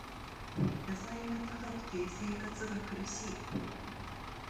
野菜が高くて生活が苦しい